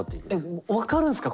えっ分かるんすか？